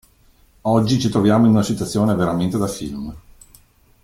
Oggi ci troviamo in una situazione veramente da film.